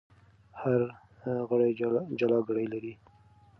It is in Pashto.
هر غړی جلا ګړۍ لري.